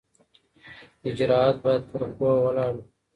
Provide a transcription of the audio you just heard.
اجرات باید پر پوهه ولاړ وي.